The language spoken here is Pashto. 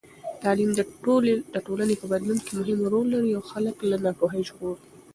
تعلیم د ټولنې په بدلون کې مهم رول لري او خلک له ناپوهۍ ژغوري.